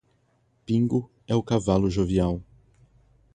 Pingo é o cavalo jovial